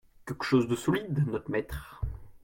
Queuque chose de solide, not'maître ?